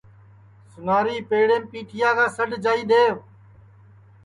سُناری پیڑیم پیٹھٹؔیا کا سڈؔ جائی دؔیو